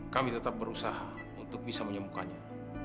kami tetap berusaha untuk bisa menyembuhkannya